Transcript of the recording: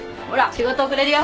仕事遅れるよ。